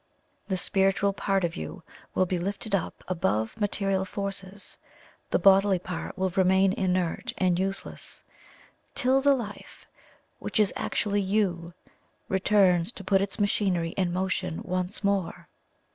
The spiritual part of you will be lifted up above material forces; the bodily part will remain inert and useless, till the life, which is actually YOU, returns to put its machinery in motion once more."